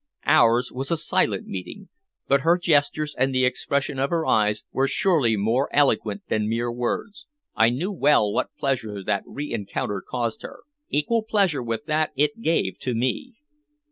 Ours was a silent meeting, but her gestures and the expression of her eyes were surely more eloquent than mere words. I knew well what pleasure that re encounter caused her equal pleasure with that it gave to me.